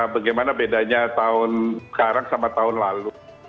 bagaimana bedanya tahun sekarang sama tahun lalu